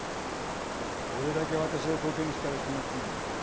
どれだけ私をコケにしたら気が済むんだ！